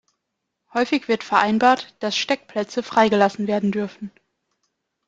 Häufig wird vereinbart, dass Steckplätze freigelassen werden dürfen.